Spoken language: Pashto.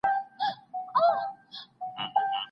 هیڅوک باید بې انصافه نه وي.